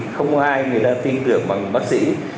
không ai người ta tin tưởng bằng bác sĩ